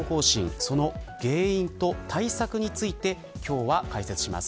その原因と対策について今日は解説をします。